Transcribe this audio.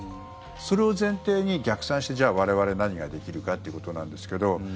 それを前提に逆算してじゃあ我々、何ができるかということなんですけど。